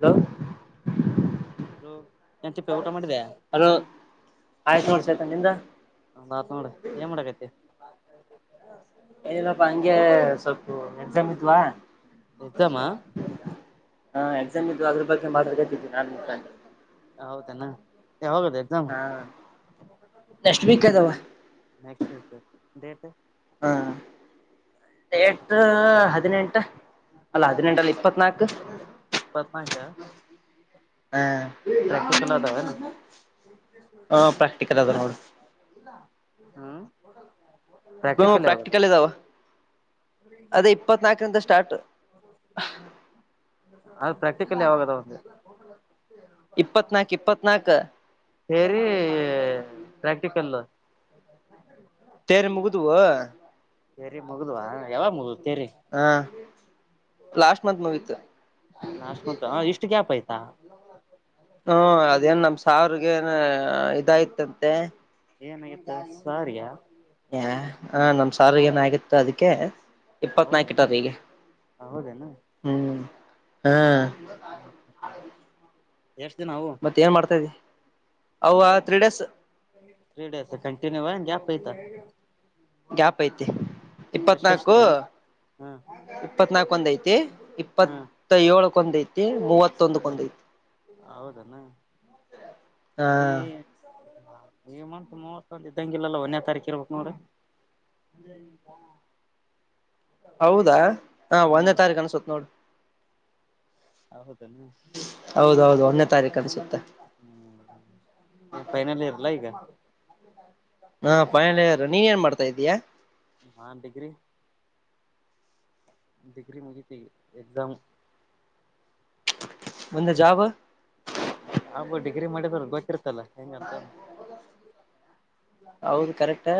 Hello hello ಏನ್ ತಿಪ್ಪೆ ಊಟ ಮಾಡಿದ್ಯಾ ಹಲೋ ಆಯ್ತು ನೋಡ್ ಸೈತಾನ ನಿಂದ ನಂದ್ ಆಯ್ತ ನೋಡ್ ಏನ್ ಮಾಡಕತ್ತಿ. ಏನಿಲ್ಲಪ್ಪ ಹಂಗೆ ಸ್ವಲ್ಪ ಎಕ್ಸಾಮ್ ಇದ್ವಾ ಎಕ್ಸಾಮ ಹಾ ಎಕ್ಸಾಮ್ ಇದ್ವಾ ಅದ್ರ ಬಗ್ಗೆ ಮಾತಾಡ್ಕತಿದ್ವಿ ನಾ ಮುಖಾ ಹೌದನ ಯಾವಾಗದೆ. ಹಾ ನೆಕ್ಸ್ಟ್ ವಿಕ್ ಅದಾವ ನೆಕ್ಸ್ಟ್ ವೀಕ್ ಡೇಟ ಹಾ ಡೆಟ್ ಹದಿನೆಂಟ ಅಲ್ಲ ಹದಿನೆಂಟಲ್ಲ ಇಪ್ಪತ್ನಾಲ್ಕ್ ಇಪ್ಪತ್ನಾಲ್ಕ್ ಹಾ ಅದಾವೇನು [unintelligible] ಹ ಪ್ರಾಕ್ಟಿಕಲ್ ಅದ ನೋಡು [unintelligible] ಹ್ಮ್ ಹು ಪ್ರಾಕ್ಟಿಕಲ್ ಇದಾವ ಅದೇ ಇಪ್ಪತ್ನಾಕರಿಂದ ಸ್ಟಾರ್ಟ್ ಅದ ಪ್ರಾಕ್ಟಿಕಲ್ ಯಾವಾಗದವ ಅಂದೆ ಇಪ್ಪತ್ನಾಕ್ ಇಪ್ಪತ್ನಾಕ ಥೇರೀ ಪ್ರಾಕ್ಟಿಕಲ್ [unintelligible] ಥೆರಿ ಮುಗದುವ ಥೇರಿ ಮುಗುದುವಾ ಯಾವಾಗ ಮುಗುದುವ ಥೇರಿ ಹಾ ಲಾಸ್ಟ್ ಮಂತ್ ಮುಗಿತ್ತ್. ಲಾಷ್ಟ ಮಂತ್ ನ ಇಷ್ಟ್ ಗ್ಯಾಪ್ ಆಯ್ತಾ ಹ್ಮ ಅದೇನ್ ನಮ್ ಸಾವ್ರಗ ಏನೋ ಇದಾಯ್ತಂತೆ. ಏನಾಗಿತ್ತ ಸರ್ಗಾ. ಹ ನಮ್ ಸರ್ಗ್ ಏನಗತ್ತು ಅದಕ್ಕೆ. ಇಪ್ಪತ್ನಾಕು ಇಟ ಹೌದೇನು ಈಗೆ ಹೌದೇನು ಹ್ಮ್ ಹ ಎಷ್ಟ ದಿನ [unintelligible] ಮತ್ತೆ ಏನ್ ಮಾಡ್ತಾತ ಇದಿಯಾ ಅವ್ವ three days three days continue [unintelligible] gap ಐತ. ಗ್ಯಾಪ್ ಐತಿ ಎಷ್ಟೆಷ್ಟು ಇಪ್ಪತ್ನಾಕು. ದಿನ ಹ್ಮ್ ಇಪ್ಪತ್ನಾಲ್ಕ ಒಂದ ಐತಿ ಹ್ಮ್ ಇಪ್ಪತ್ತ ಏಳಕ್ ಒಂದ ಐತಿ ಮೂವತ್ತೊಂದಕ್ಕ ಒಂದ [unintelligible] ಹೌದನ [unintelligible] ಹಾ [unintelligible] ಈ ಮಂತ್ ಮೂವತ್ತೊಂದ್ ಇದ್ದಂಗಿಲ್ಲಲ್ಲ ಒನ್ನೆ ತಾರೀಕ ಇರ್ಬೇಕ್ ನೋಡಿ. [unintelligible] ಹೌದಾ ಹಾ ಒಂದೇ ಹ್ಮ್ ತಾರೀಕು ಅನ್ಸತ್ ನೋಡ್ ಹೌದೇನು. ಹೌದೌದು ಒಂದೇ ತಾರೀಕು ಅನಸುತ್ತೆ. ಹ್ಮ್ ಏನ್ ಫೈನಲ್ ಇಯರ್ ಅಲ್ಲ ಈಗ. [unintelligible] ಹಾ ಫೈನಲ್ [unintelligible] ನೀನ್ ಏನ್ ಮಾಡ್ತಾ ಇದಿಯಾ. ನಾನ್ ಡಿಗ್ರಿ. ಡಿಗ್ರಿ ಮುಗಿತಿಗ್ ಎಕ್ಸಾಮ್. ಮುಂದೆ ಜಾಬ್. [unintelligible] ಡಿಗ್ರಿ ಮಾಡಿದ್ರ ಗೊತ್ತಿರ್ತಲ್ಲ ಹೆಂಗ ಅಂತ. ಹೌದು [unintelligible] ಕರೆಕ್ಟ್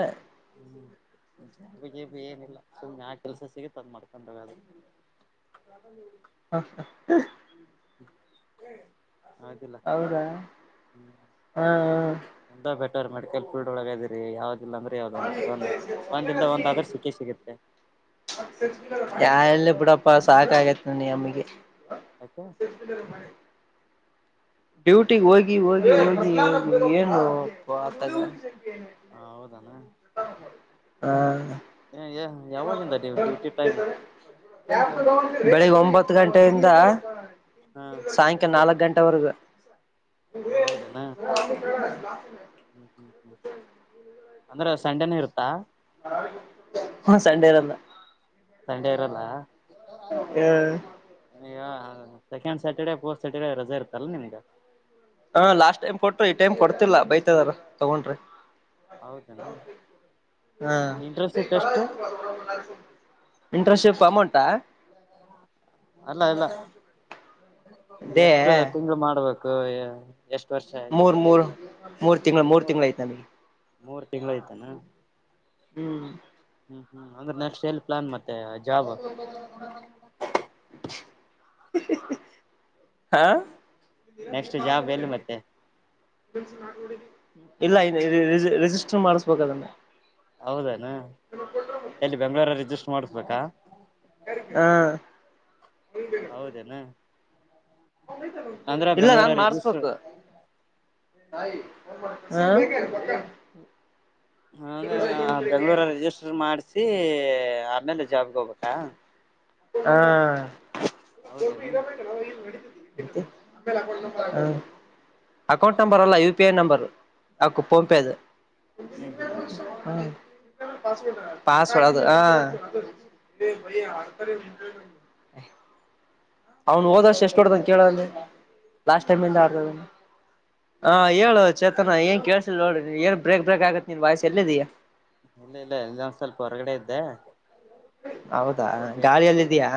ಹ್ಮ್ [unintelligible] ಏನಿಲ್ಲ ಸುಮ್ನೆ ಯಾ ಕೆಲ್ಸ ಸಿಗತ್ ಅದ್ ಮಾಡ್ಕೊಂಡ [unintelligible] [unintelligible] ಹಾ ಹಾ [unintelligible] [unintelligible] ಹೌದಿಲ್ಲ ಹೌದಾ ಹ್ಮ್ ಹಾ ಹ. [unintelligible] ಬೆಟರ್ ಮೆಡಲ್ ಫೀಲ್ಡ್ ಒಳಗ ಇದಿರಿ ಯಾವ್ದದಿಲ್ಲ [unintelligible] [unintelligible] ಒಂದಲ್ ಒಂದ ಆದ್ರ ಸಿಕ್ಕೆ ಸಿಗುತ್ತೆ. [unintelligible] ಎಲ್ಲಿ ಬಿಡಪ್ಪ ಸಾಕ ಆಗೇತ್ [unintelligible] ಯಾಕೆ [unintelligible] ಡ್ಯೂಟಿಗೆ ಹೋಗಿ ಹೋಗಿ ಹೋಗಿ ಏನು ಅಬ್ಬಾ [unintelligible] ಹೌದಾನ. ಹಾ [unintelligible] ನೀವು ಡ್ಯೂಟಿ ಟೈಮ್ [unintelligible] ಬೆಳಿಗ್ಗೆ ಒಂಬತ್ತು ಗಂಟೆಯಿಂದ ಹಾ ಸಾಯಂಕ ನಾಲ್ಕ್ ಗಂಟೆವರೆಗು. ಹೌದನಾ. ಅಂದ್ರೆ ಸಂಡೆನ ಇರುತ್ತಾ. ಹು ಸಂಡೇ ಇರುತ್ತೆ. ಸಂಡೆ ಇರಲ್ಲ. ಈಗ ಸೆಕೆಂಡ್ ಸ್ಯಾಟರ್ಡೆ ಫೋರ್ತ್ ಸ್ಯಾಟರ್ಡೆ ರಜೆ ಇರ್ತಾಲ್ಲ ನಿನ್ಗ. ಹಾ ಲಾಸ್ಟ್ ಟೈಮ್ ಕೊಟ್ರ ಈ ಟೈಮ್ ಕೊಡತಿಲ್ಲ ಬೈತಇದಾರೆ ತಗೊಂಡ್ರೆ. ಹೌದೇನಾ ಹಾ. ಇಂಟರ್ನ್ಶಿಪ್ ಎಷ್ಟು ಇಂಟ್ರಶಿಪ್ ಅಮೌಂಟಾ. ಅಲ್ಲ ಇಲ್ಲ ದೇ ಎಷ್ಟು ತಿಂಗಳು ಮಾಡ್ಬೇಕು. ಹ್ಮ್ ಎಷ್ಟಪರ್ಷ ಮೂರ್ ಮೂರ್ ಬಿಟ್ಟಿರದು ಮೂರ್ ತಿಂಗಳ ಮೂರ್. ತಿಂಗಳ ಐತ್ ನಮಗೆ ಮೂರು ತಿಂಗಳು ಆಯತನ. ಹ್ಮ್ ಹ್ಮ್ ಹ್ಮ್ ಅಂದ್ರೆ ನೆಸ್ಟ್ ಎಲ್ ಪ್ಲಾನ್ ಮತ್ತೆ. ಜಾಬ್ [inaudible] ಹಾ ನೆಕ್ಸ್ಟ್ ಜಾಬ್ ಎಲ್ಲಿ ಮತ್ತೆ. ಇಲ್ಲ ರಿ ರ್ರೀ...... ರಿಜಿಸ್ಟರ್ ಮಾಡಸ್ಬೇಕ ಅದನ್ನ. ಹೌದನ ಎಲ್ಲಿ ಬೆಂಗ್ಳೂರಲ್ಲಿ ರಿಜಿಸ್ಟ್ರ್ ಮಾಡಸಬೇಕಾ. ಹಾ ಹೌದೇನ. ಇಲ್ಲ ಬೆಂಗ್ಳೂರ ನಾನ್ ರಿಜಿಸ್ಟರ್ ಮಾಡಸ್ಬೇಕು. ಹಾ ಹಂಗಾರ ಬೆಂಗ್ಳೂರಲಿ ರಿಜಿಸ್ಟರ್ ಮಾಡ್ಸಿ ಆಮೇಲೆ ಜಾಬ್ಗೆ ಹೋಗಬೇಕಾ. ಆ. ಹೌದನು. ೇಲೆ [inaudible] ಅಕೌಂಟ್ ನಂಬರ್ ಅಲ್ಲ ಯುಪಿಐ ನಂಬರ್ ಆಕ್ ಫೋನ್ಪೇದು. ಹ್ಮ್ ಹ್ಮ್ ಹ ಪಸಳೋಗ ಹ. ಇ ಭೈಯ ಆತಾರೆ ನಿ. ಅವ್ನು ಹೋದಷ್ಟ ಎಷ್ಟ ಹೊಡದಾನ ಕೇಳಲ್ಲಿ ಲಾಸ್ಟ್ ಟೈಮ ಆತ ಹ ಹೇಳ. ಚೇತನಾ ಏನ್ ಕೇಳಸಿಲ್ಲ ನೋಡ್ ಏನ್ ಬ್ರಕ್ ಬ್ರೇಕ್ ಆಗೆ ನಿನ್ ವೈಯಸ್ ಎಲ್ಲಿದಿ ಇಲ್ಲ ಇಲ್ಲ ಇಂದೊ ಒಂದ ಸ್ವಲ್ಪ ಹೊರಗಡೆ ಇದ್ದೆ. ಹೌದಾ ಅದಕ್ಕೆ ಬ್ರೇಕ್ ಆಯ್ತು ಗಾಳಿಯಲ್ಲಿದ್ದಯಾ.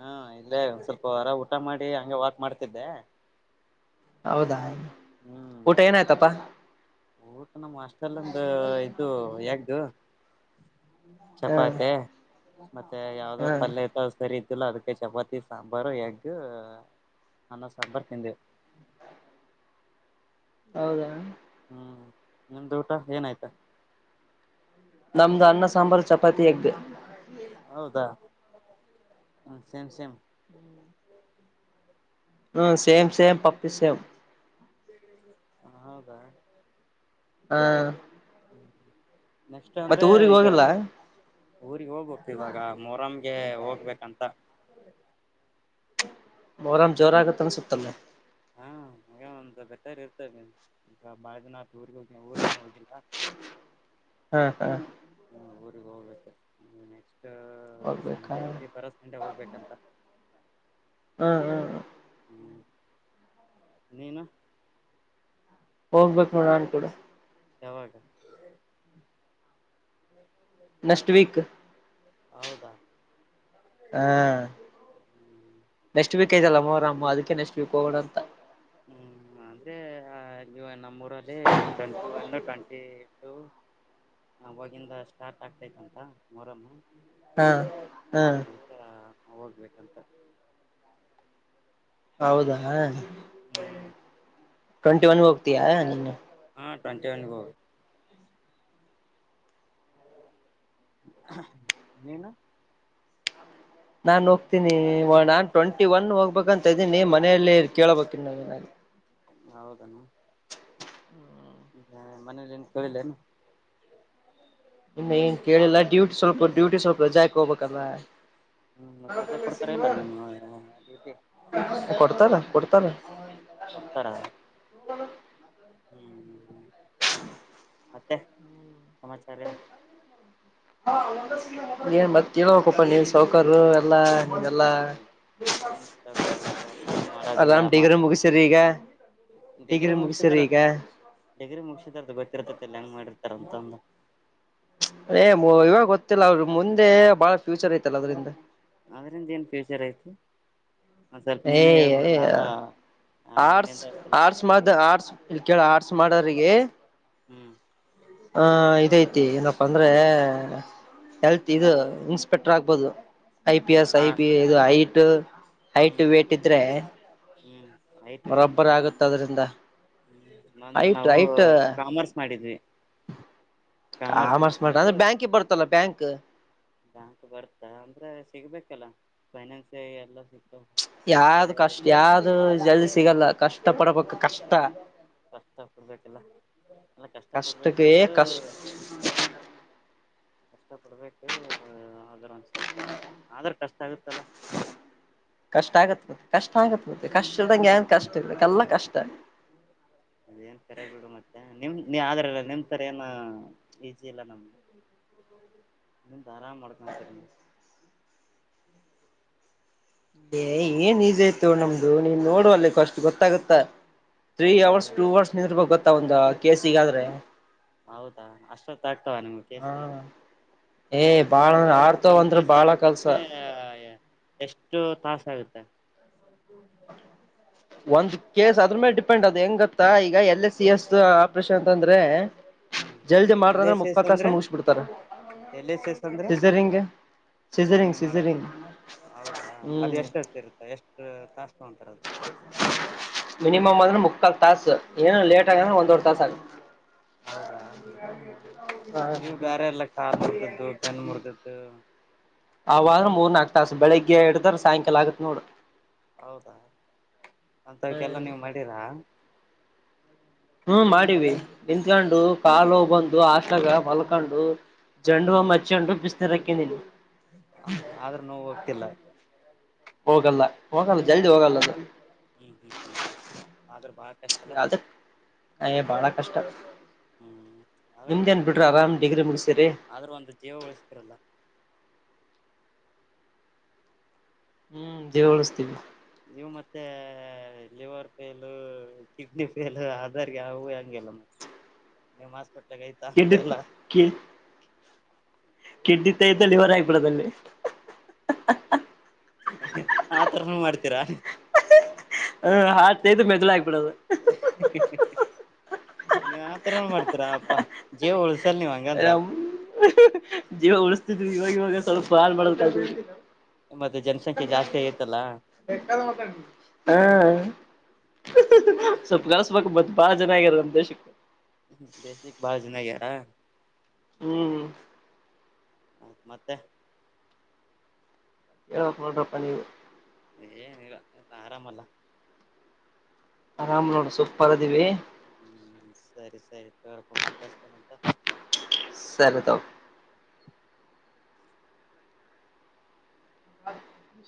ಹಾ ಇಲ್ಲೇ ಒಂದ್ ಸ್ವಲ್ಪ ಹೊರ ಊಟ ಮಾಡಿ ಹಂಗೆ ವಾಕ್ ಮಾಡ್ತಿದ್ದೆ. ಹೌದಾ ಹ್ಮ್ ಊಟ ಏನಾಯ್ತಪ್ಪಾ. ಊಟ ನಮ್ಮ್ ಹಾಷ್ಟಲ್ಲಂದು ಇದು ಯಗ್. ಹ ಚಪಾತಿ ಮತ್ತೆ ಯಾವ್ದೋ ಹ ಪಲ್ಯ ಇತ್ತು ಸರಿ. ಯಲ್ಲಾ ಅದಕೆ ಚಪಾತಿ ಸಾಂಬಾರ್ ಎಗ್ ಅನ್ನ ಸಾಂಬಾರ್ ತಿಂದೆ. ಹೌದಾನು. ಹ್ಮ್ ನಿಮ್ದು ಊಟ ಏನ ಆಯ್ತಾ. ನಮ್ದು ಅನ್ನ ಸಾಂಬಾರ್ ಚಪಾತಿ ಎಗ್. ಹೌದಾ ಹ ಸೇಮ್ ಸೇಮ್. ಹ್ಮ ಸೇಮ್ ಸೇಮ್ ಪಪ್ಪಿ ಸೇಮ್. ಹ ಹೌದಾ. ಆ. ನೆಕ್ಸ್ಟ್ ಅಂದ್ರೆ ಊರಿಗೆ ಈಗ. ಹೋಗಿಲ್ಲ ಊರಿಗೆ ಹೋಗ್ಬೇಕು ಇವಾಗ ಮೊರಂಗೆ ಹೋಗ್ಬೇಕಂತ ಮುರಂ ಜೋರ ಆಗುತ್ತ ಅನ್ಸುತ್ತಲ್ಲ. ಹ್ಮ್ ಹಂಗ್ ಒಂದು ಬೆಟರ್ ಇರ್ತವೆ ಈ ಬಾಳ ದಿನ ಊರಿಗೆ ಹೋಗ ಊರ್ಗೇನು ಹೋಗಿಲ್ಲ. ಹಾ ಹಾ ಹ್ಮ ಊರಿಗ್ ಹೋಗ್ಬೇಕ ನೆಕ್ಸ್ಟ್ ಹೋಗ್ಬೇಕಾ ಸಂಡೆ ಹಾ ಅ ಬರೋ ಸಂಡೆ ಹೋಗ್ಬೇಕಂತ. ಹ್ಮ್ ಹ್ಮ್ ಹ್ಞ ನೀನು ಹೋಗ್ಬೇಕು ನೋಡ ನಾನ್ ಕೂಡ ಯಾವಾಗಾ ನೆಕ್ಸ್ಟ್ ವೀಕ್ ಹೌದಾ ಹಾ ಹ್ಮ್ ನೆಕ್ಟ್ ವೀಕ್ ಐತಲ್ಲ ಮೋಹರೊಮ್ ಅದಕ್ಕೆ ನೆಕ್ಸ್ಟ್ ವೀಕ್ ಹೋಗೋಣ ಅಂತ ಹ್ಮ್ ಅಂದ್ರೆ ನಮ್ಮ್ ಊರಲ್ಲಿ ಟ್ವೆಂಟಿ ಒನ್ ಟ್ವೆಂಟಿ ಟು ಹ ಅವಾಗಿಂದ ಸ್ಟಾರ್ಟ್ ಆಗ್ತೈತ್ತುಂತಾ ಮೊಹರಮೂ ಹಾ ಹಾ [unintelligible] ಈಗ ಹೋಗ್ಬೇಕಂತ ಹೌದಾ ಹ್ಮ್ ಟ್ವೆಂಟಿ ಒನ್ ಹೋಗತಿಯಾನ್ನ ಹಾಂಟ್ವೆಂಟಿನ್ ಒನ್ ಹೋಗೋ ನೀನು ನಾನ್ ಹೋಗ್ತೀನಿ ನಾನ್ ಟ್ವೆಂಟಿ ಒನ್ ಹೋಗ್ಬೇಕಂತ ಇದ್ದೀನಿ ಮನೆಯಲ್ಲಿ ಕೇಳಬೇಕಿ ನ ಹೌದನು ಮನೆಲ್ಲಿ ಕೇಳಲ್ಲನು ಇನ್ನು ಏನ್ ಕೇಳಿಲ್ಲ ಡ್ಯೂಟಿ ಸ್ವಲ್ಪ ಡ್ಯೂಟಿ ಸ್ವಲ್ಪ ರಜಾ ಹಾಕಿ ಹೋಗ್ಬೇಕಲ್ಲ ಹ್ಮ್ ಮತ್ರ ರಜಾ ಕೊಡ್ತಾರ ಇಲ್ಲ ನಿಮ್ಮ ಕೊಡ್ತಾರ ಕೊಡ್ತಾರ ಕೊಡ್ತಾರಾ ಹ್ಮ್ ಹ್ಮ್ ಹ್ಮ್ ಮತ್ತೆ ಸಮಾಚಾರ ಎನ್ ಏನ್ ಮತ್ತ ಹೇಳಬೇಕಪ್ ನೀವು ಸೌಕಾರು ಎಲ್ಲಾ ದೆಲ್ಲಾ ಏನ್ ಓಡಪ್ಪ ಫೋನ್ ಮಾಡೋದಿಲ್ಲ ಆರಾಮ ಡೀಗ್ರಿ ಮಾತಾ ಮುಗಸ್ರಿ ಈಗ ಡಿಗ್ರಿ ಮುಗಿಸಿರಿ ಈಗ ಡಿಗ್ರಿ ಮುಗಸಿದ ಅಂತದು ಗೊರ್ತೈತಿಲ್ಲ ಹೆಂಗ ಮಾಡಿರ್ತಾರ ಅಂತಂದಂದು ಏ ಇವಾಗ ಗೊತ್ತಿಲ್ಲ ಅದರ ಮುಂದೆ ಬಾಳ ಫ್ಯೂಚರ್ ಐತಲ್ಲ ಅದ್ರಿಂದ ಅದರಿಂದ ಏನ್ ಫ್ಯೂಚರ್ ಐತ ಏ ನಾನು ಆರ್ಟ್ಸ್ ನಿನ್ನಿಂದ ಸ್ವಲ್ಪ ಆರ್ಟ್ಸ್ ಮ ಆರ್ಟ್ಸ್ ಇಲ್ಲಿ ಕೇಳ ಆರ್ಟ್ಸ್ ಮಾಡ್ರಿಗೆ ಹ್ಮ್ ಹ ಇದಐತಿ ಏನಪ್ಪಾ ಅಂದ್ರೆ ಹೇಲ್ತ್ ಇದು ಇನ್ಸ್ಪೆಕ್ಟರ್ ಆಗ್ಬಹದು ಐ ಪಿ ಹ್ಮ್ ಎಸ್ ಹ ಐ ಪಿ ಇದು ಐಟ್ ಹೈಟ್ ವೇಟ್ ಇದ್ರೆ ಹೂ ಬರೋಬ್ಬರ್ ಆಗುತ್ತ ಅದ್ರಿಂದ ಅಂದ್ರೆ ಹೈಟ್ ನಾವು ಹೈಟ್ ಕಾಮರ್ಸ್ ಮಾಡಿದ್ವಿ ಕಾಮರ್ಸ್ ಮಾಡ ಅಂದ್ರೆ ಬ್ಯಾಂಕ ಬರ್ತಲ್ಲ ಬ್ಯಾಂಕ್ ಬ್ಯಾಂಕ್ ಬರ್ತಾ ಅಂದ್ರೆ ಸಿಗ್ಬೇಕಲ್ಲ ಫೈನಾನ್ಸ್ ಎಲ್ಲ ಸಿಗ್ತ ಯಾರದ್ದ ಕಷ್ಟ ಯಾವ್ದು ಜಲ್ದಿ ಸಿಗಲ್ಲ ಕಷ್ಟ ಪಡಬೇಕ ಕಷ್ಟ ಕಷ್ಟ ಪಡ್ಬೇಕಲ್ಲ ಎಲ್ಲ ಕಷ್ಟ ಪಡ್ಬೇಕ್ ಕಷ್ಟಕ್ಕೆ ಬಿಡು ಕಷ್ಟ [unintelligible] ಕಷ್ಟ ಪಡ್ಬೇಕು ಅಂದ್ರ ಒಂದ ಸ್ವಲ್ಪ ಆದ್ರ ಕಷ್ಟ ಆಗುತ್ತಲ್ಲ ಕಷ್ಟ ಆಗತ್ ಮತ್ತೆ ಕಷ್ಟ ಆಗತ್ ಮತ್ತೆ ಕಷ್ಟ ಇರ್ದಂಗೆ ಏನ್ ಕಷ್ಟ ಇರ್ಲಿ ಎಲ್ಲ ಕಷ್ಟ ಆಗ ಅದೇನ್ ಕರೆ ಬಿಡು ಮತ್ತೆ ನಿಮ ನೀ ಆದ್ರಲ್ಲ ನಿಮ್ ತರ ಏನ ಈಸಿ ಇಲ್ಲ ನಮಗೆ ನಿಮ್ದ್ ಆರಾಮ್ ಮಾಡ್ಕೊಂತೀರಿ ನೀವು ಎ ಏನ್ ಈಜಿ ಆಯ್ತು ನಮ್ದು ನೀನ್ ನೋಡು ಅಲ್ಲಿ ಫಸ್ಟ್ ಗೊತ್ತಾಗುತ್ತಾ ತ್ರೀ ಅವರ್ಸ್ ನೀವು ಟೂ ಅವರ್ಸ್ ನಿಂದ್ರುಬೇಕ್ ಗೊತ್ತಾ ಒಂದು್ ಕೆಸಿಗಾದ್ರೆ ಹೌದಾ ಅಷ್ಟೊತ್ತ ಆಗ್ತಾವ ನಿಮ್ಗೆ ಹ ಕೇಸ್ ಹಾ ಏ ಬಾಳ ಅಂದ್ರೆ ಆಡ್ತಾವ ಒಂದ ಅಂದ್ರ ಕೇಸ್ ಬಾಳ ಕೆಲ್ಸ ಆಗಕಂದ್ರೆ ಎಷ್ಟು ತಾಸ ಆಗುತ್ತೆ ಹ್ಮ ಒಂದ್ ಕೇಸ್ ಅದ್ರ ಮೇಲೆ ಡಿಪೆಂಡ್ ಅದ್ ಹೆಂಗತ್ತಾ ಈಗ L S C S operation ಅಂತಂದ್ರೆ ಹ್ಮ್ ಜಲ್ದಿ ಮಾಡ್ರ ಎಲ್ ಅಂದ್ರ ಎಸ್ ಎಸ್ ಮುಕ್ಕಲತ್ತಾಸಗೆ ಅಂದ್ರೆ ಮುಗಸಿ ಬಿಡ್ತಾರ ಸೀಸರಿನ್ ಗೆ ಸೀಸರಿನ್ ಮಾಡಕ್ ಹೌದಾ ಅದು ಹ್ಮ್ ಎಷ್ಟಷ್ಟ ಇರುತ್ತ ಎಷ್ಟು ತಸ್ ತಗೊಂತರ ಮಿನಿಮಮ ಅಂದ್ರು ಮುಕ್ಕಾಲ ತಾಸು ಏನ ಲೇಟ್ ಆಗ ಒಂದವರೆ ತಾಸು ಆಗ ಹೌದಾ ನೀವು ಬೇರೆಲ್ಲ ಕಾಲ್ ಮುರಿದದ್ದು ಬೆನ್ ಮುರಿದ್ದು ಅವಾದ್ರ ಮೂರ್ ನಾಕ್ ತಾಸ ಬೆಳಗ್ಗೆ ಇಡುದ್ರೆ ಸಾಯಂಕಾಲ ಆಗತ್ ನೋಡು ಹೌದಾ ಅಂತವ್ಕ್ಕೆಲ್ಲ ನೀವು ಮಾಡೀರಾ ಹ್ಮ್ ಮಾಡಿವವಿ ನಿಂಕೊಂಡು ಕಾಲು ಬಂದು ಹಾಸ್ಟೇಲಾಗ್ ಮಲ್ಕೊಂಡು ಹ್ಮ್ ಜಂಡೂಬಾಂಬ್ ಹಚ್ಚಕೊಂಡು ಬಿಸ್ನೆರ್ ಅಕೊಂಡೀವಿ ಆದ್ರ ನೋವ್ ಹೋಗ್ತಿಲ್ಲ ಹೋಗಲ್ಲ ಹೋಗಲ್ಲ ಜಲ್ದಿ ಹೋಗಲ್ಲ ಅದು ಹ ಹ ಆದ್ರೂ ಬಾಳ ಕಷ್ಟ ಅಲ ಹೆ ಬಾಳ ಕಷ್ಟ ಹ್ಮ್ ಆದ್ರ ನಿಮ್ದ್ ಏನ್ ಗ್ರೇಟ್ ಬಿಡ್ರಿ ಆರಾಮ್ ಡಿಗ್ರಿ ಮುಗಸಿರಿ ಆದ್ರ ಒಂದು ಜೀವ ಉಳುಸ್ತಿರಲ್ಲ ಹ್ಮ್ ಜೀವ ಉಳಿಸ್ತೀವಿ ನೀವು ಮತ್ತೆ ಲಿವರ್ ಫೇಲು ಕಿಡ್ನಿ ಫೇಲ್ ಅದಾರ್ ಹ ಹೆಂಗಗೆಲ್ಲ ನಿಮ್ ಹಾಸ್ಪಿಟ್ಲ್ಗ್ ಐತ ಅಂತ ಎಲ್ಲ ಕೀ ಕಿಡ್ನಿ ತಗೆದ್ ಲಿವರ್ ಹಾಕಿಬಿಡೋದಲ್ಲೆ ಆತರನು ಮಾಡ್ತೀರಾ ಹ್ ಹಾರ್ಟ್ ತೆಗ್ದ್ ಮೆದುಳು ಹಾಕ್ಬಿಡೋದು ನೀವ್ ಆತರನು ಮಾಡ್ತೀರಾಪ್ಪ ಜೀವ ಉಳಸಲ್ ನೀವ್ ಹಂಗಂದ್ರ ಜೀವ ಉಳಸ್ತಿದ್ವಿ ಇವಾಗ ಇವಾಗ ಸ್ವಲ್ಪ ಹಾಳ್ ಮಾಡದ ಕಲತಿದಿವಿ ಮತ್ತೆ ಜನಸಂಖ್ಯೆ ಜಾಸ್ತಿ ಆಗೆತ್ತಲ್ಲಾ ಹಾ ಸ್ವಲ್ ಕಳುಸ್ಬೇಕು ಮತ್ ಬಾಳ ಜನ ಆಗ್ಯಾರ ನಮ್ ದೇಶಕ್ಕ ದೇಶಕ್ಕೆ ಬಾಳ ಜನ ಆಗ್ಯರ ಹ್ಮ್ ಆಯ್ತ್ ಮತ್ತೆ ಹೇಳ್ಬೇಕ್ ನೋಡ್ರಪ್ಪಾ ನೀವು ಏನಿಲ್ಲ ಎಲ್ಲ ಆರಾಮಲ್ಲ ಆರಾಮ್ ನೋಡ ಸೂಪರ್ ಅದಿವಿ ಹ್ಮ್ ಸರಿ ಸರಿ ತಾಗೊರಪ್ಪ ಮತ್ತ ಹಚ್ಚತನಿ ಅಂತ ಸರಿ ತಗೋ ಹ